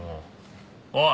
おい！